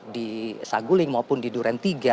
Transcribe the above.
di saguling maupun di duren tiga